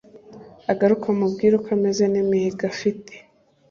agaruke ababwire uko ameze n' imihigo afite